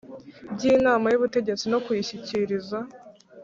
by Inamay Ubutegetsi no kuyishyikiriza